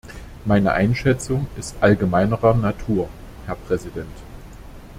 Meine Einschätzung ist allgemeinerer Natur, Herr Präsident.